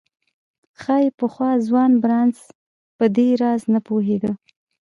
ښايي پخوا ځوان بارنس په دې راز نه پوهېده.